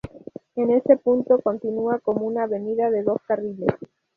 En este punto, continúa como una avenida de dos carriles.